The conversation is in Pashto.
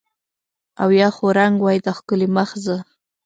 او یا خو رنګ وای د ښکلي مخ زه